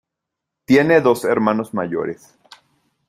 Tiene dos hermanos mayores.